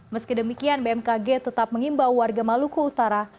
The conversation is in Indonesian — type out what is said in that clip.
meski demikian bmkg tetap mengimbau warga maluku utara